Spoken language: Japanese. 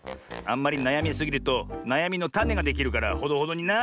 あんまりなやみすぎるとなやみのタネができるからほどほどにな。